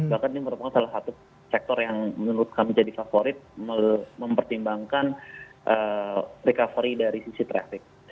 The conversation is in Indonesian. bahkan ini merupakan salah satu sektor yang menurut kami jadi favorit mempertimbangkan recovery dari sisi traffic